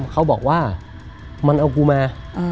เขาบอกว่ามันเอากูมา